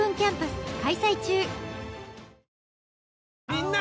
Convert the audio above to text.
みんな！